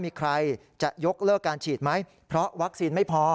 มีใครจะยกเลิกการฉีดไหมเพราะวัคซีนไม่พอ